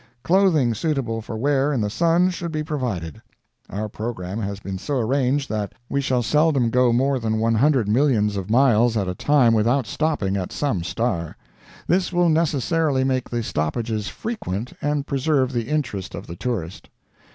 Clothing suitable for wear in the sun should be provided. Our program has been so arranged that we shall seldom go more than 100,000,000 of miles at a time without stopping at some star. This will necessarily make the stoppages frequent and preserve the interest of the tourist.